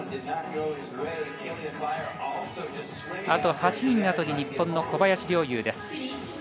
あと８人後に日本の小林陵侑です。